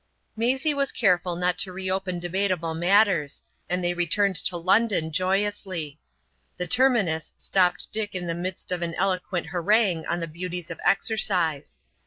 Maisie was careful not to reopen debatable matters, and they returned to London joyously. The terminus stopped Dick in the midst of an eloquent harangue on the beauties of exercise.